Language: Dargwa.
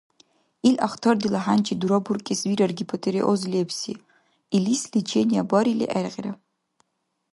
Ил ахтардила хӀянчи дурабуркӀес вирар гипотиреоз лебси, илис лечение барили гӀергъира.